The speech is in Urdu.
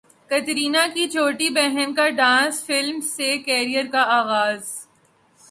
کترینہ کی چھوٹی بہن کا ڈانس فلم سے کیریئر کا اغاز